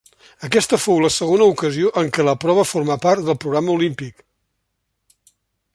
Aquesta fou la segona ocasió en què la prova formà part del programa Olímpic.